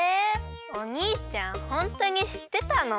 おにいちゃんホントにしってたの？